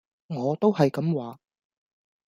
我都係咁話